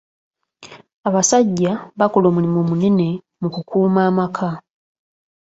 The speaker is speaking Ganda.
Abasajja bakola omulimu munene mu kukuuma amaka.